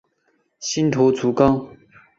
新头足纲。